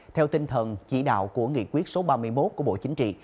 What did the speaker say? theo tinh thần chỉ đạo của nghị quyết số ba mươi một của bộ chính trị